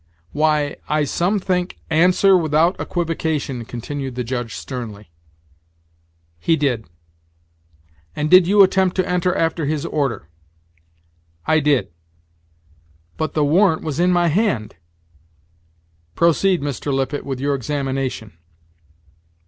"Why, I some think " "Answer without equivocation," continued the Judge sternly. "He did." "And did you attempt to enter after his order?" "I did; but the warrant was in my hand." "Proceed, Mr. Lippet, with your examination."